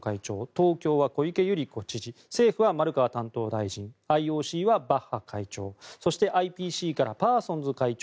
東京は小池百合子知事政府は丸川担当大臣ＩＯＣはバッハ会長そしてＩＰＣからパーソンズ会長